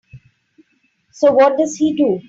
So what does he do?